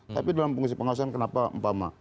tapi dalam pengusaha pengusahaan kenapa empama